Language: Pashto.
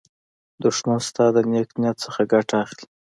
دښمن ستا د نېک نیت نه ګټه اخلي